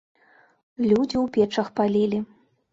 Людзі ў печах палілі.